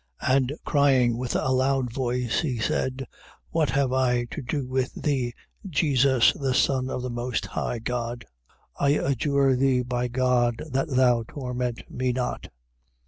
5:7. And crying with a loud voice, he said: What have I to do with thee, Jesus the Son of the most high God? I adjure thee by God that thou torment me not.